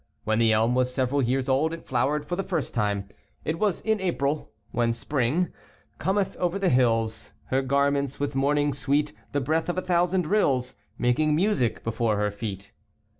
When the elm was several years old it flowered for the first time, It was in April, when Spring 4 flowkring T«io. Cometh over the hills. Her garments with morning sweet. The breath of a thousand rills Making music before her feet.